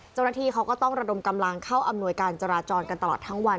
เจ้าหน้าที่เขาก็ต้องระดมกำลังเข้าอำนวยการจราจรกันตลอดทั้งวัน